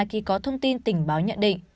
khi có thông tin tỉnh báo nhận định